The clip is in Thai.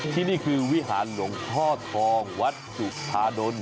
ที่นี่คือวิหารหลวงพ่อทองวัดสุธาดล